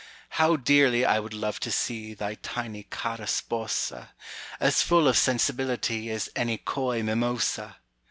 How dearly I would love to seeThy tiny cara sposa, As full of sensibilityAs any coy mimosa!